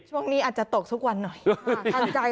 ช่วงนี้อาจจะตกทุกวันหน่อย